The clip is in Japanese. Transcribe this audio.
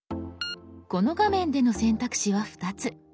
この画面での選択肢は２つ。